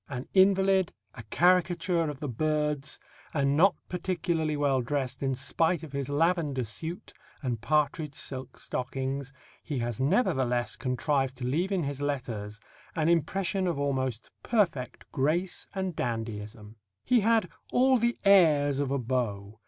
An invalid, a caricature of the birds, and not particularly well dressed in spite of his lavender suit and partridge silk stockings, he has nevertheless contrived to leave in his letters an impression of almost perfect grace and dandyism. He had all the airs of a beau.